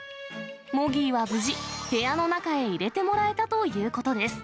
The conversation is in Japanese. モギーは無事、部屋の中へ入れてもらえたということです。